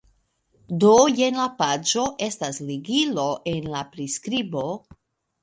Do, jen la paĝo estas ligilo en la priskribo